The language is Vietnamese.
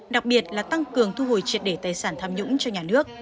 đặc biệt là tăng cường thu hồi triệt để tài sản tham nhũng cho nhà nước